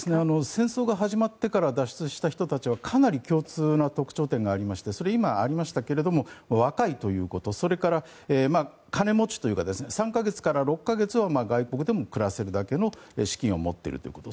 戦争が始まってから脱出した人たちはかなり共通な特徴がありまして今ありましたけれども若いということそれから、金持ちというか３か月から６か月は外国でも暮らせるだけの資金を持っているということ。